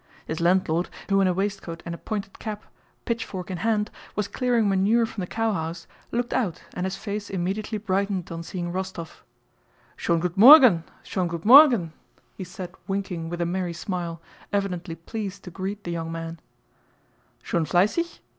His landlord, who in a waistcoat and a pointed cap, pitchfork in hand, was clearing manure from the cowhouse, looked out, and his face immediately brightened on seeing Rostóv. "Schön gut Morgen! Schön gut Morgen!" * he said winking with a merry smile, evidently pleased to greet the young man. * "A very good morning! A very good morning!" "Schon fleissig?"